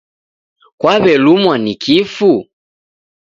Kwaw'elumwa ni kifu?